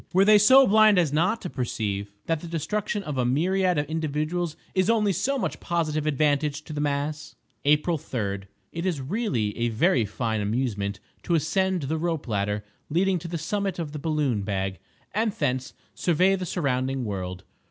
Were they so blind as not to perceive that the destruction of a myriad of individuals is only so much positive advantage to the mass! April 3.—It is really a very fine amusement to ascend the rope ladder leading to the summit of the balloon bag, and thence survey the surrounding world.